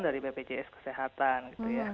dari bpjs kesehatan